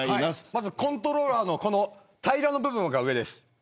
まずコントローラーの平らな部分が上です。